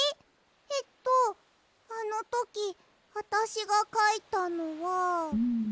えっとあのときあたしがかいたのは。